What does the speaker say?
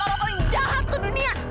alat paling jahat sedunia